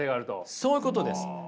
そういうことです。